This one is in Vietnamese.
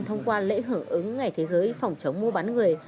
thông qua lễ hưởng ứng ngày thế giới phòng chống mua bán người